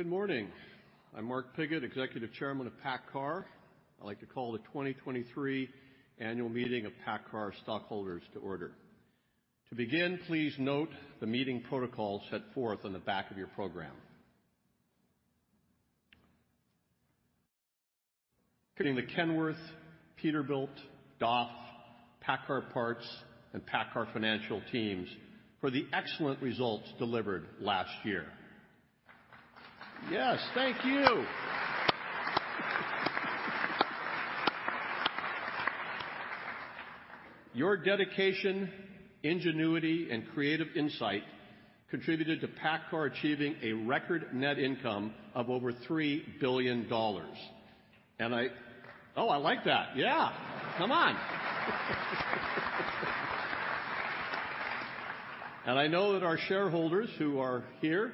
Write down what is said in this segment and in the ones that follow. Good morning. I'm Mark Pigott, Executive Chairman of PACCAR. I'd like to call the 2023 annual meeting of PACCAR stockholders to order. To begin, please note the meeting protocol set forth on the back of your program. Giving the Kenworth, Peterbilt, DAF, PACCAR Parts, and PACCAR Financial teams for the excellent results delivered last year. Yes. Thank you. Your dedication, ingenuity, and creative insight contributed to PACCAR achieving a record net income of over $3 billion. Oh, I like that. Yeah. Come on. I know that our shareholders who are here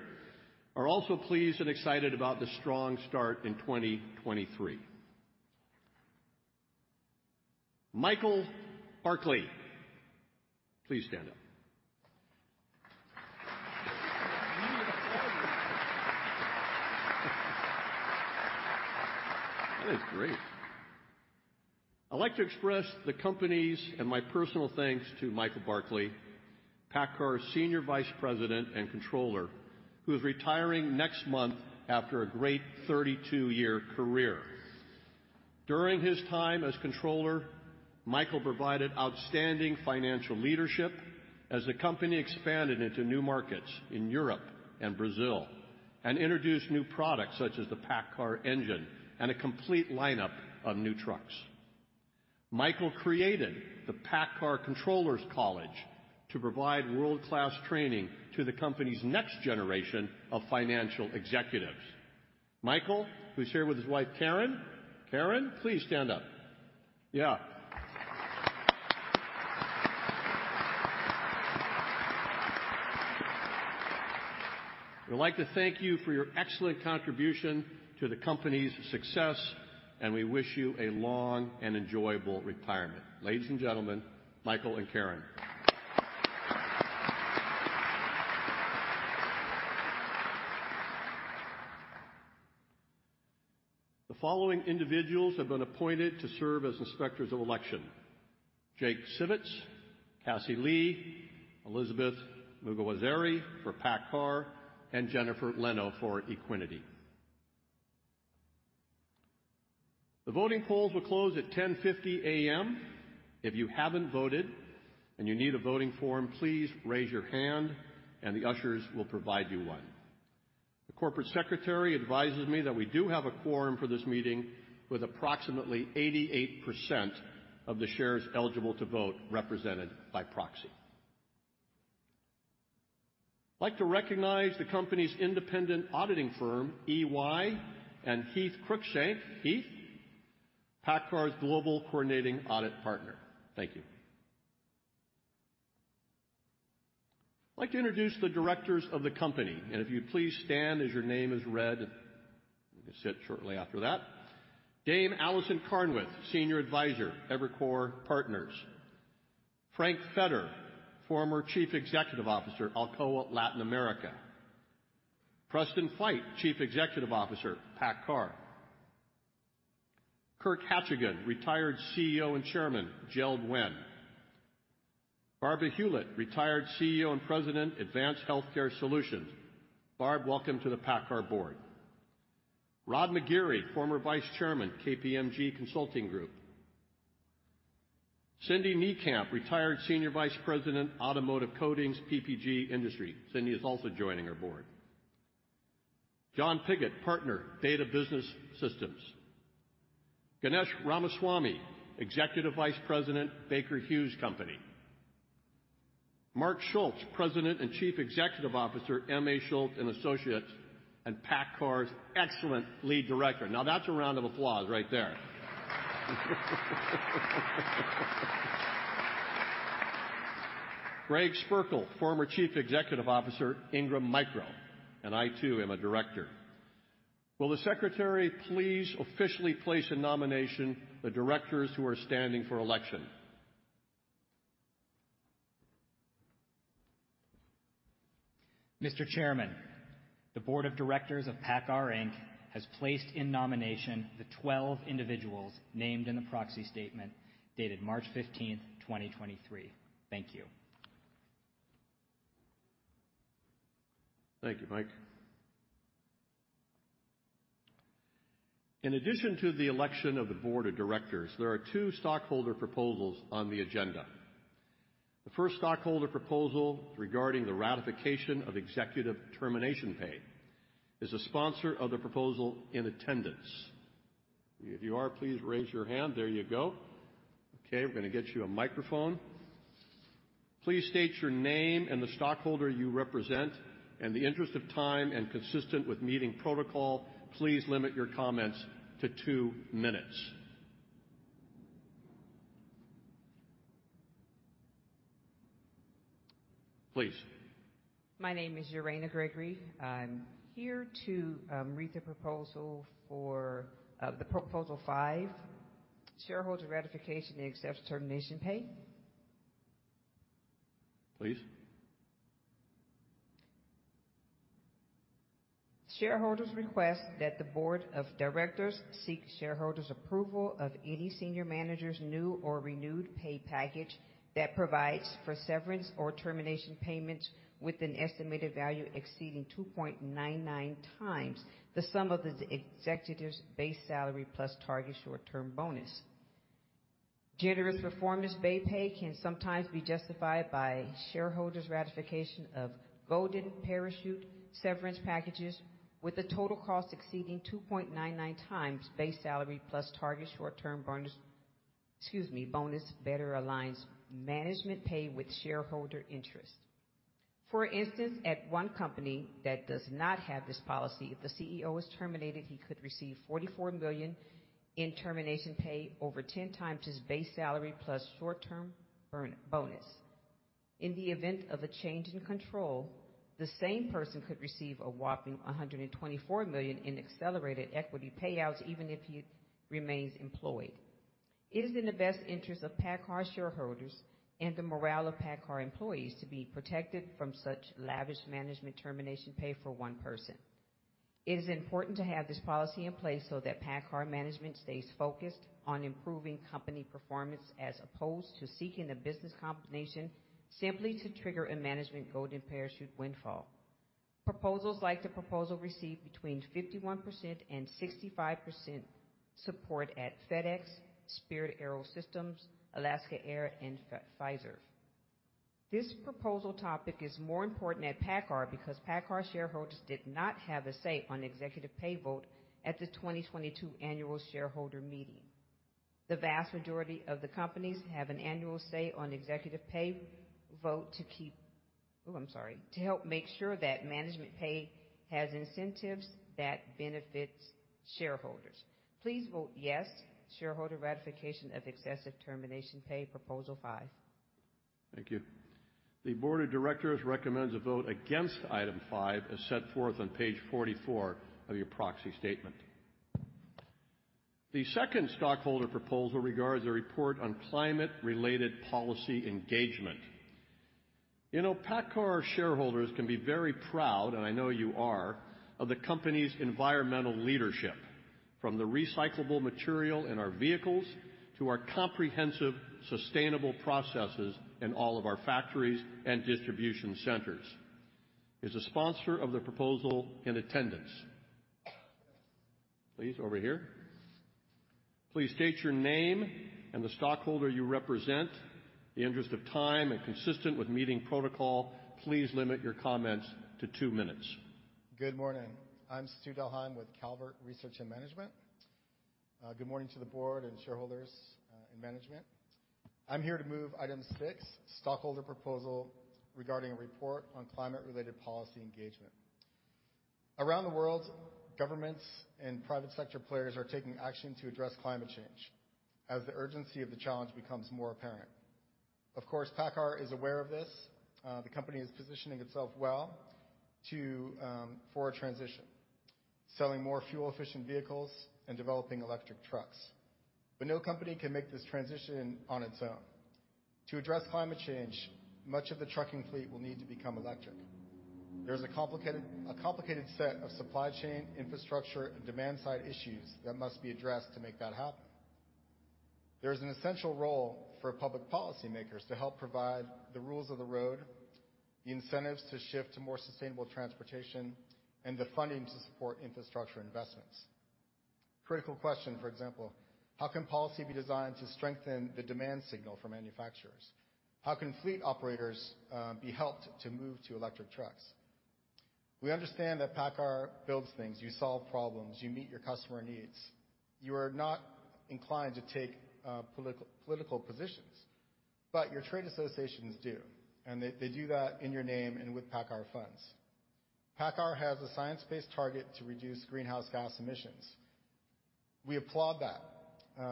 are also pleased and excited about the strong start in 2023. Michael Barkley, please stand up. That is great. I'd like to express the company's and my personal thanks to Michael Barkley, PACCAR's Senior Vice President and Controller, who is retiring next month after a great 32-year career. During his time as controller, Michael provided outstanding financial leadership as the company expanded into new markets in Europe and Brazil, and introduced new products such as the PACCAR Engine and a complete lineup of new trucks. Michael created the PACCAR Controllers College to provide world-class training to the company's next generation of financial executives. Michael, who is here with his wife, Karen. Karen, please stand up. Yeah. We'd like to thank you for your excellent contribution to the company's success, and we wish you a long and enjoyable retirement. Ladies and gentlemen, Michael and Karen. The following individuals have been appointed to serve as inspectors of election: Jake Sivitz, Cassie Lee, Elizabeth Mugwazari for PACCAR, and Jennifer Leno for Equiniti. The voting polls will close at 10:50 A.M. If you haven't voted and you need a voting form, please raise your hand and the ushers will provide you one. The Corporate Secretary advises me that we do have a quorum for this meeting with approximately 88% of the shares eligible to vote represented by proxy. I'd like to recognize the company's independent auditing firm, EY, and Heath Cruikshank. Heath, PACCAR's Global Coordinating Audit Partner. Thank you. I'd like to introduce the directors of the company, and if you'd please stand as your name is read. You can sit shortly after that. Dame Alison Carnwath, Senior Advisor, Evercore Partners. Frank Feder, former Chief Executive Officer, Alcoa Latin America. Preston Feight, Chief Executive Officer, PACCAR. Kirk Hachigian, retired CEO and Chairman, JELD-WEN. Barbara Hewlett, retired CEO and President, Advanced Healthcare Solutions. Barb, welcome to the PACCAR board. Rod McGeary, former Vice Chairman, KPMG Consulting Group. Cindy Niekamp, retired Senior Vice President, Automotive Coatings, PPG Industries. Cindy is also joining our board. John Pigott, Partner, Beta Business Ventures, LLC. Ganesh Ramaswamy, Executive Vice President, Baker Hughes Company. Mark Schulz, President and Chief Executive Officer, M.A. Schulz & Associates, and PACCAR's excellent Lead Director. That's a round of applause right there. Greg Spierkel, former Chief Executive Officer, Ingram Micro. I too am a director. Will the secretary please officially place in nomination the directors who are standing for election? Mr. Chairman, the Board of Directors of PACCAR Inc. has placed in nomination the 12 individuals named in the proxy statement dated March fifteenth, 2023. Thank you. Thank you, Mike. In addition to the election of the board of directors, there are two stockholder proposals on the agenda. The first stockholder proposal regarding the ratification of executive termination pay. Is the sponsor of the proposal in attendance? If you are, please raise your hand. There you go. We're gonna get you a microphone. Please state your name and the stockholder you represent. In the interest of time and consistent with meeting protocol, please limit your comments to two minutes. Please. My name is Urena Gregory. I'm here to read the proposal for the proposal five, shareholder ratification in excess termination pay. Please. Shareholders request that the board of directors seek shareholders' approval of any senior manager's new or renewed pay package that provides for severance or termination payments with an estimated value exceeding 2.99 times the sum of the executive's base salary plus target short-term bonus. Generous performance-based pay can sometimes be justified by shareholders' ratification of golden parachute severance packages with a total cost exceeding 2.99 times base salary plus target short-term bonus, excuse me, bonus better aligns management pay with shareholder interest. For instance, at one company that does not have this policy, if the CEO is terminated, he could receive $44 million in termination pay over 10 times his base salary plus short-term bonus. In the event of a change in control, the same person could receive a whopping $124 million in accelerated equity payouts, even if he remains employed. It is in the best interest of PACCAR shareholders and the morale of PACCAR employees to be protected from such lavish management termination pay for one person. It is important to have this policy in place so that PACCAR management stays focused on improving company performance as opposed to seeking a business combination simply to trigger a management golden parachute windfall. Proposals like the proposal received between 51% and 65% support at FedEx, Spirit AeroSystems, Alaska Airlines, and Pfizer. This proposal topic is more important at PACCAR because PACCAR shareholders did not have a say on executive pay vote at the 2022 annual shareholder meeting. The vast majority of the companies have an annual say on executive pay vote to help make sure that management pay has incentives that benefits shareholders. Please vote yes, shareholder ratification of excessive termination pay, proposal five. Thank you. The board of directors recommends a vote against item five as set forth on page 44 of your proxy statement. The second stockholder proposal regards a report on climate-related policy engagement. You know, PACCAR shareholders can be very proud, and I know you are, of the company's environmental leadership, from the recyclable material in our vehicles to our comprehensive sustainable processes in all of our factories and distribution centers. Is the sponsor of the proposal in attendance? Please, over here. Please state your name and the stockholder you represent. In the interest of time and consistent with meeting protocol, please limit your comments to two minutes. Good morning. I'm Stu Dalheim with Calvert Research and Management. Good morning to the board and shareholders and management. I'm here to move item six, stockholder proposal regarding a report on climate-related policy engagement. Around the world, governments and private sector players are taking action to address climate change as the urgency of the challenge becomes more apparent. Of course, PACCAR is aware of this. The company is positioning itself well to for a transition, selling more fuel-efficient vehicles and developing electric trucks. No company can make this transition on its own. To address climate change, much of the trucking fleet will need to become electric. There's a complicated set of supply chain infrastructure and demand-side issues that must be addressed to make that happen. There's an essential role for public policymakers to help provide the rules of the road, the incentives to shift to more sustainable transportation, and the funding to support infrastructure investments. Critical question, for example: how can policy be designed to strengthen the demand signal for manufacturers? How can fleet operators be helped to move to electric trucks? We understand that PACCAR builds things. You solve problems. You meet your customer needs. You are not inclined to take political positions, but your trade associations do, and they do that in your name and with PACCAR funds. PACCAR has a science-based target to reduce greenhouse gas emissions. We applaud that.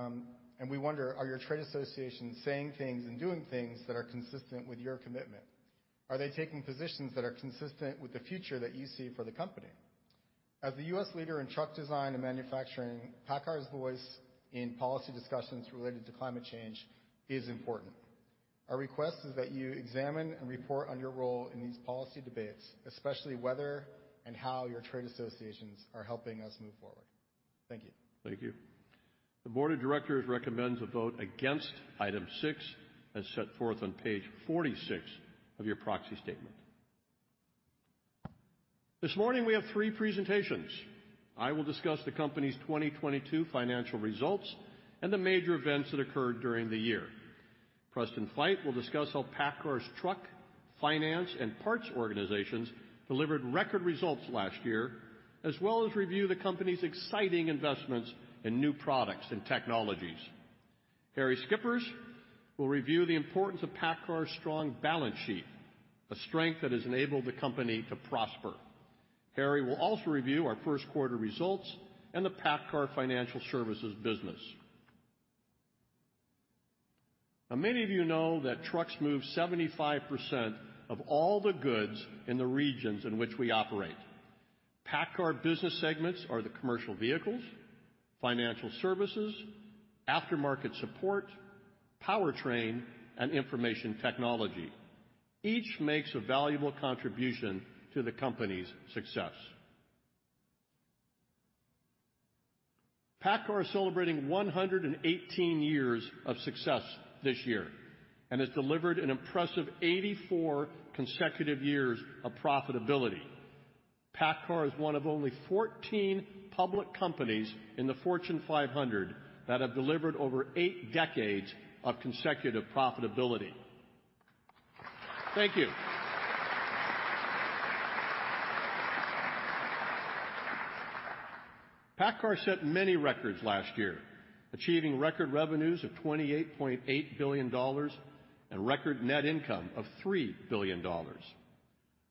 We wonder, are your trade associations saying things and doing things that are consistent with your commitment? Are they taking positions that are consistent with the future that you see for the company? As the U.S. leader in truck design and manufacturing, PACCAR's voice in policy discussions related to climate change is important. Our request is that you examine and report on your role in these policy debates, especially whether and how your trade associations are helping us move forward. Thank you. Thank you. The board of directors recommends a vote against item six as set forth on page 46 of your proxy statement. This morning we have three presentations. I will discuss the company's 2022 financial results and the major events that occurred during the year. Preston Feight will discuss how PACCAR's truck, finance, and parts organizations delivered record results last year, as well as review the company's exciting investments in new products and technologies. Harrie Schippers will review the importance of PACCAR's strong balance sheet, a strength that has enabled the company to prosper. Harrie will also review our first quarter results and the PACCAR financial services business. Many of you know that trucks move 75% of all the goods in the regions in which we operate. PACCAR business segments are the commercial vehicles, financial services, aftermarket support, powertrain, and information technology. Each makes a valuable contribution to the company's success. PACCAR is celebrating 118 years of success this year and has delivered an impressive 84 consecutive years of profitability. PACCAR is one of only 14 public companies in the Fortune 500 that have delivered over eight decades of consecutive profitability. Thank you. PACCAR set many records last year, achieving record revenues of $28.8 billion and record net income of $3 billion.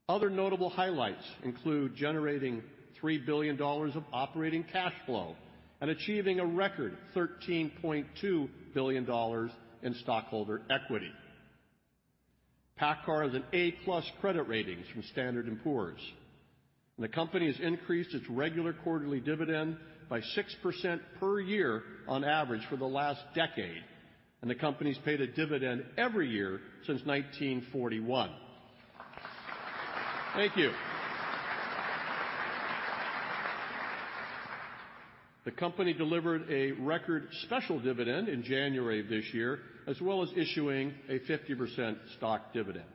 Other notable highlights include generating $3 billion of operating cash flow and achieving a record $13.2 billion in stockholder equity. PACCAR has an A+ credit ratings from Standard & Poor's. The company has increased its regular quarterly dividend by 6% per year on average for the last decade, and the company's paid a dividend every year since 1941. Thank you. The company delivered a record special dividend in January of this year, as well as issuing a 50% stock dividend.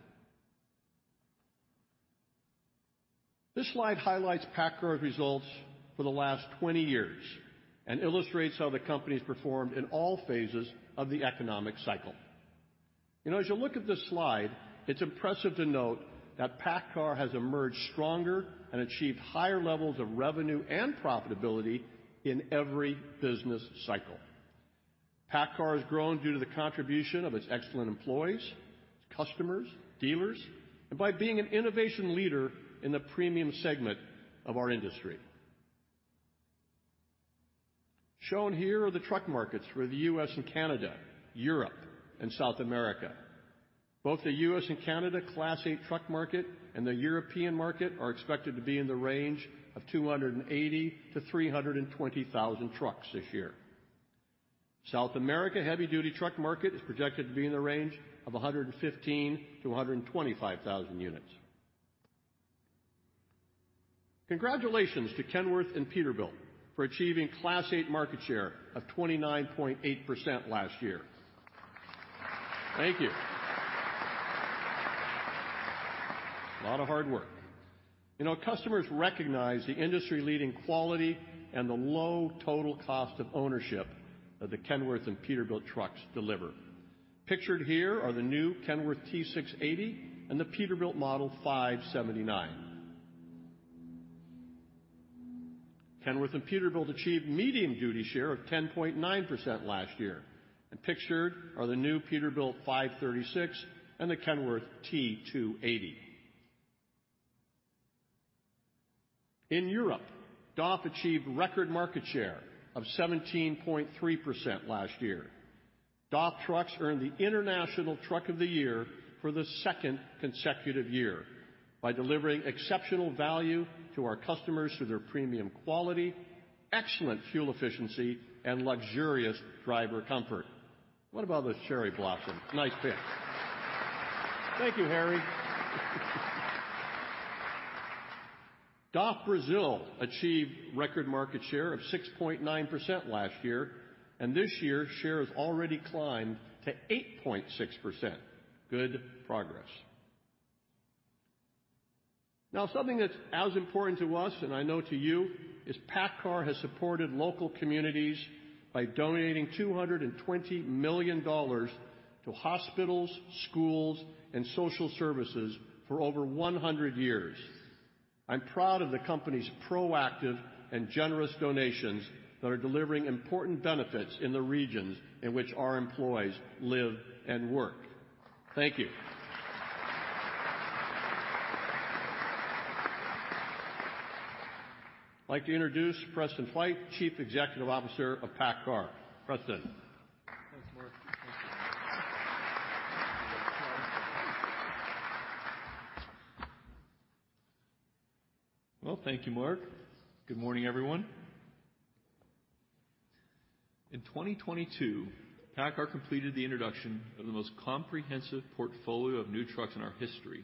This slide highlights PACCAR results for the last 20 years and illustrates how the company's performed in all phases of the economic cycle. You know, as you look at this slide, it's impressive to note that PACCAR has emerged stronger and achieved higher levels of revenue and profitability in every business cycle. PACCAR has grown due to the contribution of its excellent employees, customers, dealers, and by being an innovation leader in the premium segment of our industry. Shown here are the truck markets for the U.S. and Canada, Europe, and South America. Both the U.S. and Canada Class 8 truck market and the European market are expected to be in the range of 280,000-320,000 trucks this year. South America heavy-duty truck market is projected to be in the range of 115,000-125,000 units. Congratulations to Kenworth and Peterbilt for achieving Class 8 market share of 29.8% last year. Thank you. A lot of hard work. You know, customers recognize the industry-leading quality and the low total cost of ownership that the Kenworth and Peterbilt trucks deliver. Pictured here are the new Kenworth T680 and the Peterbilt Model 579. Kenworth and Peterbilt achieved medium-duty share of 10.9% last year. Pictured are the new Peterbilt 536 and the Kenworth T280. In Europe, DAF achieved record market share of 17.3% last year. DAF Trucks earned the International Truck of the Year for the second consecutive year by delivering exceptional value to our customers through their premium quality, excellent fuel efficiency, and luxurious driver comfort. What about those cherry blossoms? Nice pick. Thank you, Harrie. DAF Brazil achieved record market share of 6.9% last year. This year, share has already climbed to 8.6%. Good progress. Something that's as important to us, and I know to you, is PACCAR has supported local communities by donating $220 million to hospitals, schools, and social services for over 100 years. I'm proud of the company's proactive and generous donations that are delivering important benefits in the regions in which our employees live and work. Thank you. I'd like to introduce Preston Feight, Chief Executive Officer of PACCAR. Preston. Thanks, Mark. Thank you. Well, thank you, Mark. Good morning, everyone. In 2022, PACCAR completed the introduction of the most comprehensive portfolio of new trucks in our history,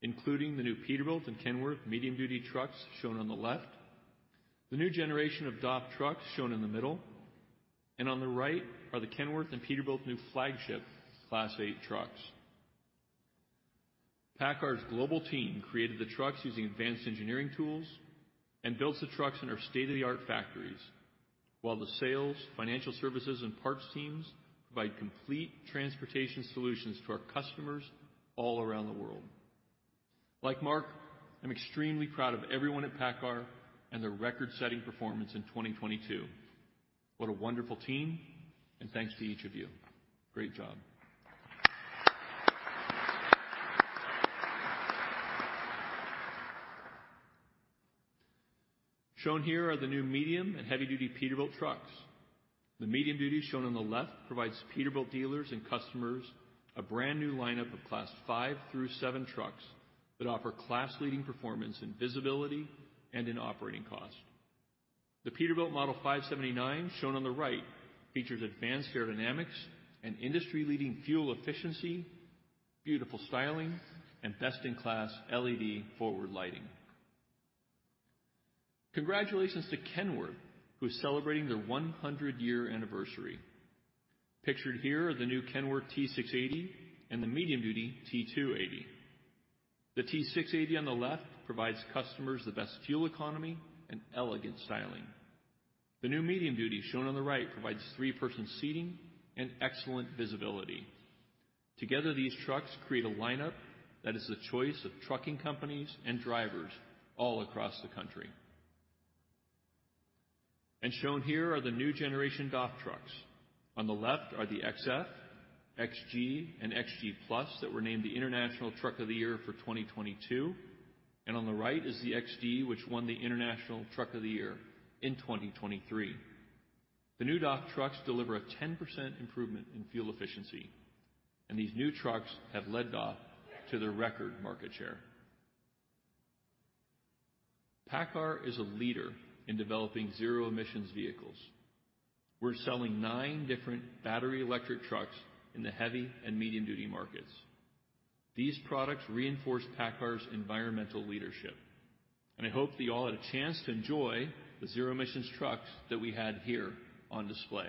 including the new Peterbilt and Kenworth medium-duty trucks shown on the left, the new generation of DAF Trucks shown in the middle, and on the right are the Kenworth and Peterbilt new flagship Class 8 trucks. PACCAR's global team created the trucks using advanced engineering tools and builds the trucks in our state-of-the-art factories, while the sales, financial services, and parts teams provide complete transportation solutions to our customers all around the world. Like Mark, I'm extremely proud of everyone at PACCAR and their record-setting performance in 2022. What a wonderful team, thanks to each of you. Great job. Shown here are the new medium-duty and heavy-duty Peterbilt trucks. The medium duty shown on the left provides Peterbilt dealers and customers a brand new lineup of Class 5 through 7 trucks that offer class-leading performance and visibility and in operating cost. The Peterbilt Model 579, shown on the right, features advanced aerodynamics and industry-leading fuel efficiency, beautiful styling, and best-in-class LED forward lighting. Congratulations to Kenworth, who's celebrating their 100-year anniversary. Pictured here are the new Kenworth T680 and the medium duty T280. The T680 on the left provides customers the best fuel economy and elegant styling. The new medium duty shown on the right provides three-person seating and excellent visibility. Together, these trucks create a lineup that is the choice of trucking companies and drivers all across the country. Shown here are the new generation DAF trucks. On the left are the XF, XG, and XG+ that were named the International Truck of the Year for 2022. On the right is the XD, which won the International Truck of the Year in 2023. The new DAF trucks deliver a 10% improvement in fuel efficiency, and these new trucks have led DAF to their record market share. PACCAR is a leader in developing zero-emissions vehicles. We're selling nine different battery electric trucks in the heavy and medium-duty markets. These products reinforce PACCAR's environmental leadership, and I hope that you all had a chance to enjoy the zero-emissions trucks that we had here on display.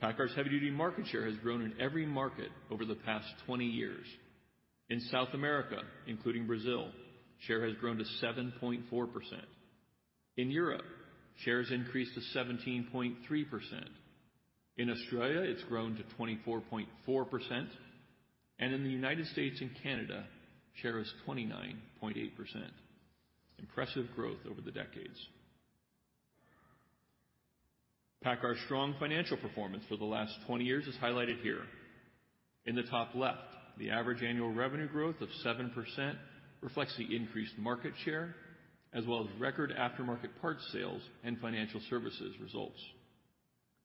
PACCAR's heavy-duty market share has grown in every market over the past 20 years. In South America, including Brazil, share has grown to 7.4%. In Europe, shares increased to 17.3%. In Australia, it's grown to 24.4%. In the United States and Canada, share is 29.8%. Impressive growth over the decades. PACCAR's strong financial performance for the last 20 years is highlighted here. In the top left, the average annual revenue growth of 7% reflects the increased market share, as well as record aftermarket parts sales and financial services results.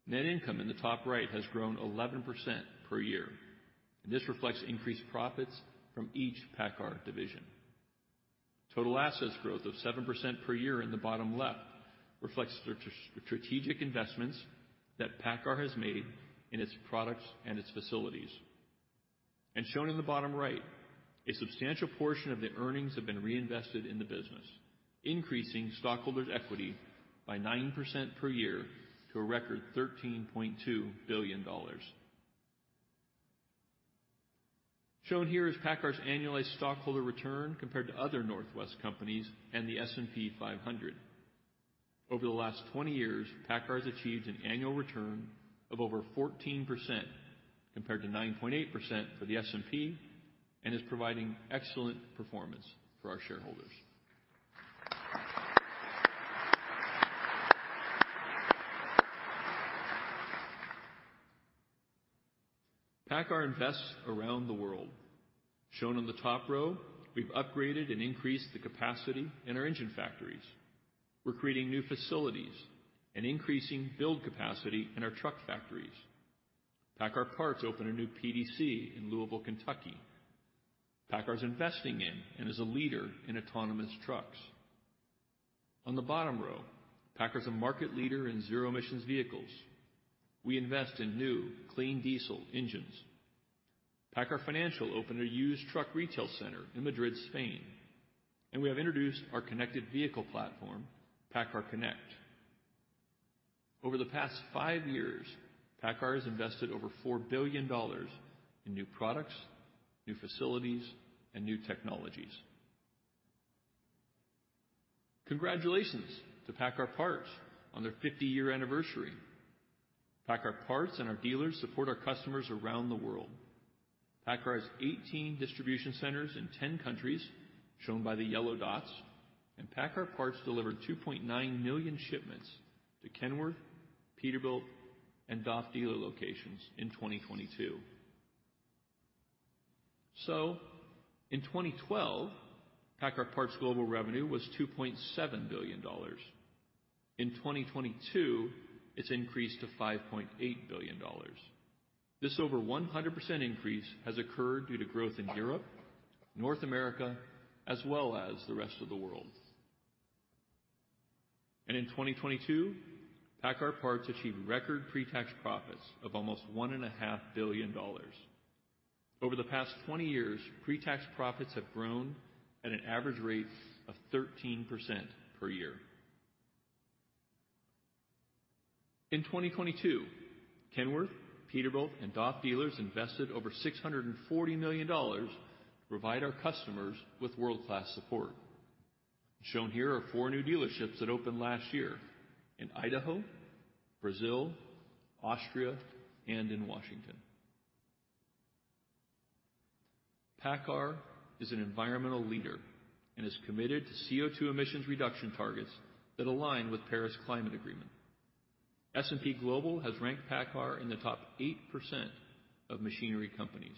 Net income in the top right has grown 11% per year. This reflects increased profits from each PACCAR division. Total assets growth of 7% per year in the bottom left reflects strategic investments that PACCAR has made in its products and its facilities. Shown in the bottom right, a substantial portion of the earnings have been reinvested in the business, increasing stockholders' equity by 9% per year to a record $13.2 billion. Shown here is PACCAR's annualized stockholder return compared to other Northwest companies and the S&P 500. Over the last 20 years, PACCAR's achieved an annual return of over 14% compared to 9.8% for the S&P, and is providing excellent performance for our shareholders. PACCAR invests around the world. Shown on the top row, we've upgraded and increased the capacity in our engine factories. We're creating new facilities and increasing build capacity in our truck factories. PACCAR Parts opened a new PDC in Louisville, Kentucky. PACCAR's investing in and is a leader in autonomous trucks. On the bottom row, PACCAR is a market leader in zero-emissions vehicles. We invest in new clean diesel engines. PACCAR Financial opened a used truck retail center in Madrid, Spain, and we have introduced our connected vehicle platform, PACCAR Connect. Over the past five years, PACCAR has invested over $4 billion in new products, new facilities, and new technologies. Congratulations to PACCAR Parts on their 50-year anniversary. PACCAR Parts and our dealers support our customers around the world. PACCAR has 18 distribution centers in 10 countries, shown by the yellow dots. PACCAR Parts delivered 2.9 million shipments to Kenworth, Peterbilt, and DAF dealer locations in 2022. In 2012, PACCAR Parts' global revenue was $2.7 billion. In 2022, it's increased to $5.8 billion. This over 100% increase has occurred due to growth in Europe, North America, as well as the rest of the world. In 2022, PACCAR Parts achieved record pre-tax profits of almost one and a half billion dollars. Over the past 20 years, pre-tax profits have grown at an average rate of 13% per year. In 2022, Kenworth, Peterbilt, and DAF dealers invested over $640 million to provide our customers with world-class support. Shown here are four new dealerships that opened last year in Idaho, Brazil, Austria, and in Washington. PACCAR is an environmental leader and is committed to CO₂ emissions reduction targets that align with Paris Agreement. S&P Global has ranked PACCAR in the top 8% of machinery companies.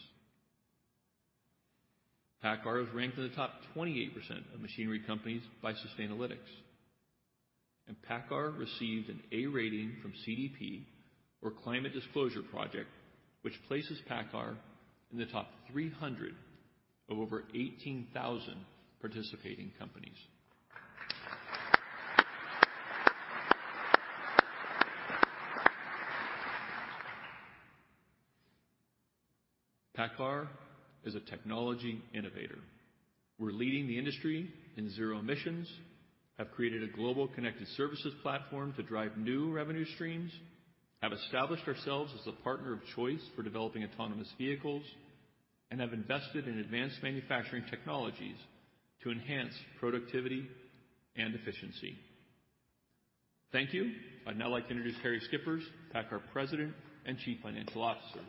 PACCAR is ranked in the top 28% of machinery companies by Sustainalytics. PACCAR received an A rating from CDP or Climate Disclosure Project, which places PACCAR in the top 300 of over 18,000 participating companies. PACCAR is a technology innovator. We're leading the industry in zero emissions, have created a global connected services platform to drive new revenue streams, have established ourselves as the partner of choice for developing autonomous vehicles, and have invested in advanced manufacturing technologies to enhance productivity and efficiency. Thank you. I'd now like to introduce Harrie Schippers, PACCAR President and Chief Financial Officer.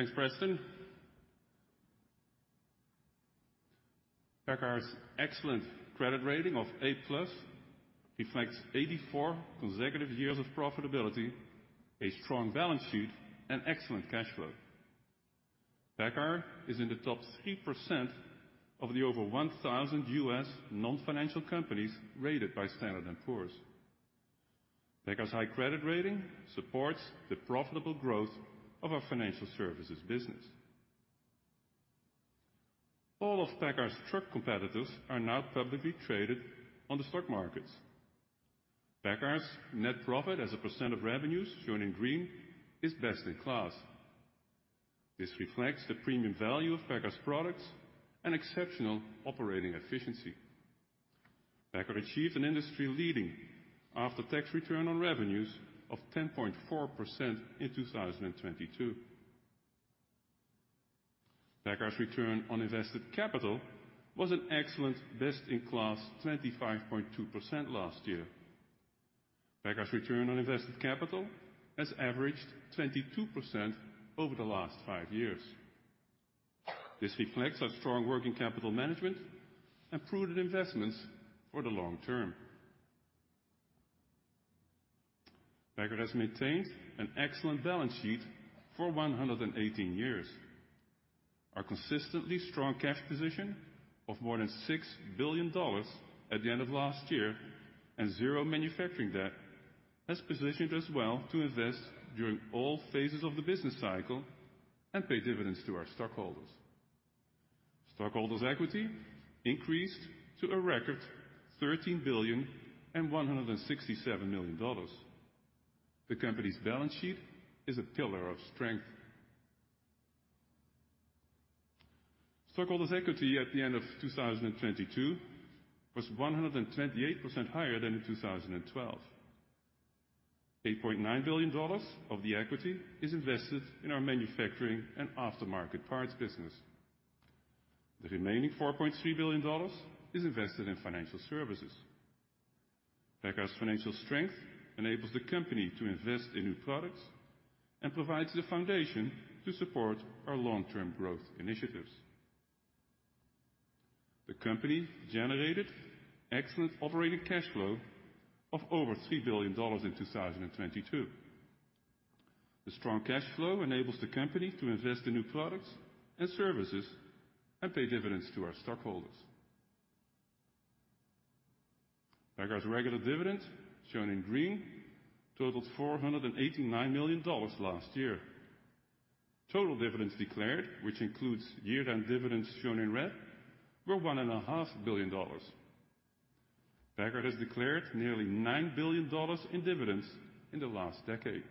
Thanks, Preston. PACCAR's excellent credit rating of A+ reflects 84 consecutive years of profitability, a strong balance sheet, and excellent cash flow. PACCAR is in the top 3% of the over 1,000 U.S. non-financial companies rated by Standard & Poor's. PACCAR's high credit rating supports the profitable growth of our financial services business. All of PACCAR's truck competitors are now publicly traded on the stock markets. PACCAR's net profit as a percent of revenues, shown in green, is best in class. This reflects the premium value of PACCAR's products and exceptional operating efficiency. PACCAR achieved an industry-leading after-tax return on revenues of 10.4% in 2022. PACCAR's return on invested capital was an excellent best-in-class 25.2% last year. PACCAR's return on invested capital has averaged 22% over the last five years. This reflects our strong working capital management and prudent investments for the long term. PACCAR has maintained an excellent balance sheet for 118 years. Our consistently strong cash position of more than $6 billion at the end of last year and zero manufacturing debt has positioned us well to invest during all phases of the business cycle and pay dividends to our stockholders. Stockholders' equity increased to a record $13.167 billion. The company's balance sheet is a pillar of strength. Stockholders' equity at the end of 2022 was 128% higher than in 2012. $8.9 billion of the equity is invested in our manufacturing and aftermarket parts business. The remaining $4.3 billion is invested in financial services. PACCAR's financial strength enables the company to invest in new products and provides the foundation to support our long-term growth initiatives. The company generated excellent operating cash flow of over $3 billion in 2022. The strong cash flow enables the company to invest in new products and services and pay dividends to our stockholders. PACCAR's regular dividend, shown in green, totaled $489 million last year. Total dividends declared, which includes year-end dividends shown in red, were $1.5 billion. PACCAR has declared nearly $9 billion in dividends in the last decade.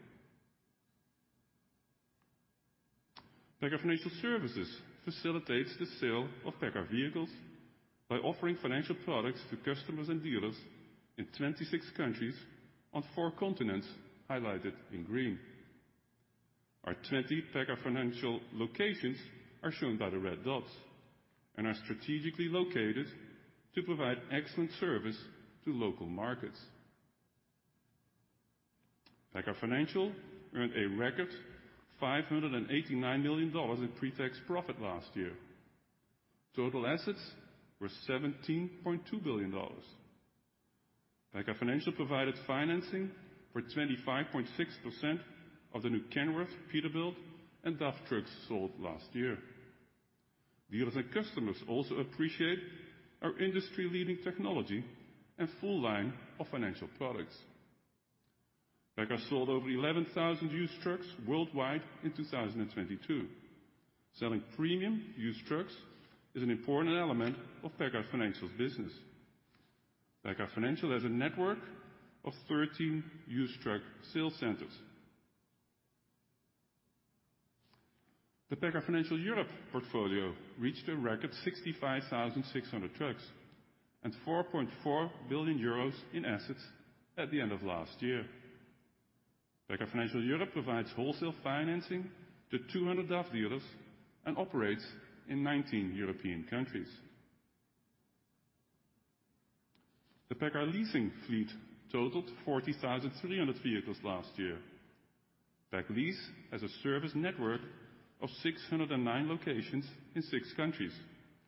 PACCAR Financial Services facilitates the sale of PACCAR vehicles by offering financial products to customers and dealers in 26 countries on four continents, highlighted in green. Our 20 PACCAR Financial locations are shown by the red dots and are strategically located to provide excellent service to local markets. PACCAR Financial earned a record $589 million in pre-tax profit last year. Total assets were $17.2 billion. PACCAR Financial provided financing for 25.6% of the new Kenworth, Peterbilt, and DAF trucks sold last year. Dealers and customers also appreciate our industry-leading technology and full line of financial products. PACCAR sold over 11,000 used trucks worldwide in 2022. Selling premium used trucks is an important element of PACCAR Financial's business. PACCAR Financial has a network of 13 used truck sales centers. The PACCAR Financial Europe portfolio reached a record 65,600 trucks and 4.4 billion euros in assets at the end of last year. PACCAR Financial Europe provides wholesale financing to 200 DAF dealers and operates in 19 European countries. The PACCAR leasing fleet totaled 40,300 vehicles last year. PacLease has a service network of 609 locations in six countries,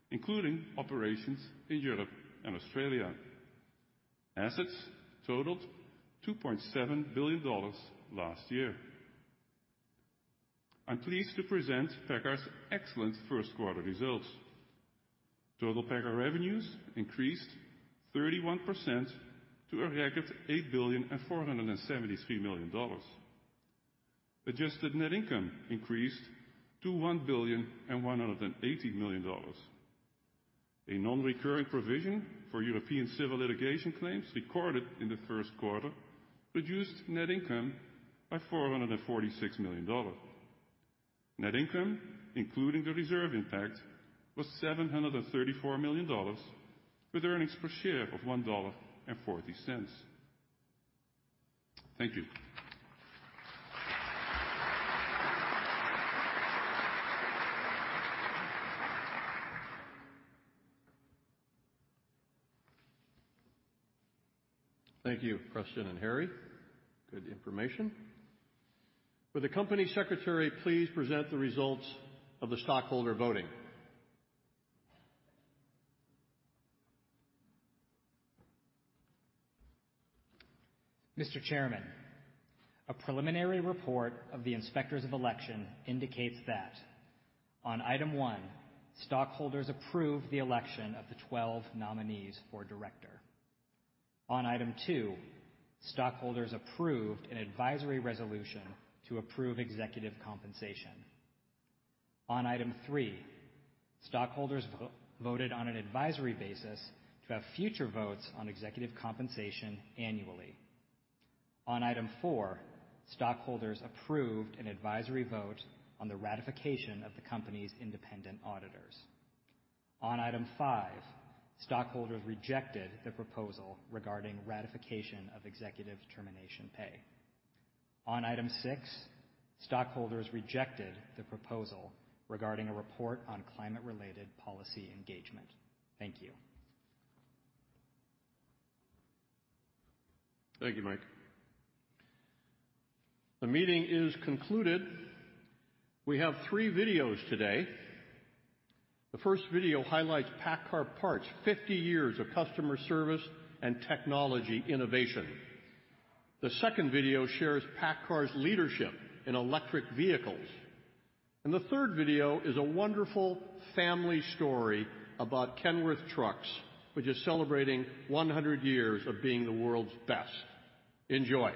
including operations in Europe and Australia. Assets totaled $2.7 billion last year. I'm pleased to present PACCAR's excellent first quarter results. Total PACCAR revenues increased 31% to a record $8.473 billion. Adjusted net income increased to $1.18 billion. A non-recurring provision for European civil litigation claims recorded in the first quarter reduced net income by $446 million. Net income, including the reserve impact, was $734 million with earnings per share of $1.40. Thank you. Thank you, Preston and Harrie. Good information. Will the company secretary please present the results of the stockholder voting? Mr. Chairman, a preliminary report of the inspectors of election indicates that on item one, stockholders approve the election of the 12 nominees for director. On item two, stockholders approved an advisory resolution to approve executive compensation. On item three, stockholders voted on an advisory basis to have future votes on executive compensation annually. On item four, stockholders approved an advisory vote on the ratification of the company's independent auditors. On item five, stockholders rejected the proposal regarding ratification of executive termination pay. On item six, stockholders rejected the proposal regarding a report on climate-related policy engagement. Thank you. Thank you, Mike. The meeting is concluded. We have three videos today. The first video highlights PACCAR Parts, 50 years of customer service and technology innovation. The second video shares PACCAR's leadership in electric vehicles. The third video is a wonderful family story about Kenworth Trucks, which is celebrating 100 years of being the world's best. Enjoy.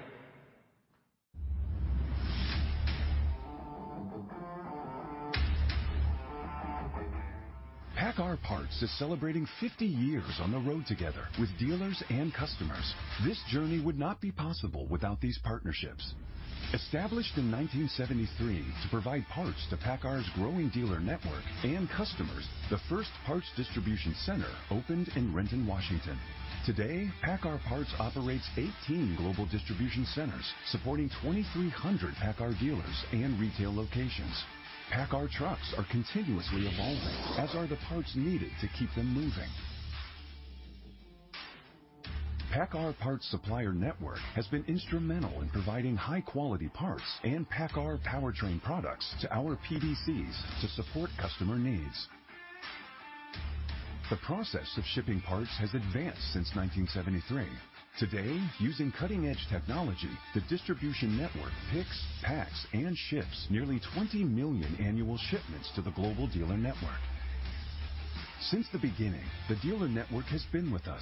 PACCAR Parts is celebrating 50 years on the road together with dealers and customers. This journey would not be possible without these partnerships. Established in 1973 to provide parts to PACCAR's growing dealer network and customers, the first parts distribution center opened in Renton, Washington. Today, PACCAR Parts operates 18 global distribution centers supporting 2,300 PACCAR dealers and retail locations. PACCAR trucks are continuously evolving, as are the parts needed to keep them moving. PACCAR Parts supplier network has been instrumental in providing high-quality parts and PACCAR powertrain products to our PDCs to support customer needs. The process of shipping parts has advanced since 1973. Today, using cutting-edge technology, the distribution network picks, packs, and ships nearly 20 million annual shipments to the global dealer network. Since the beginning, the dealer network has been with us...